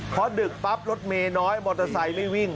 พอดึกปั๊บรถเมย์น้อยมอเตอร์ไซค์ไม่วิ่ง